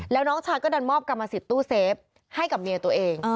แล้วน้องชายก็ดันมอบกรรมสิทธิตู้เซฟให้กับเมียตัวเอง